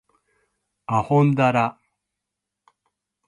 あほんだら